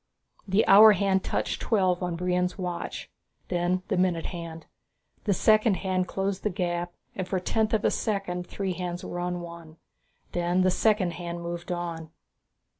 The hour hand touched twelve on Brion's watch, then the minute hand. The second hand closed the gap and for a tenth of a second the three hands were one. Then the second hand moved on.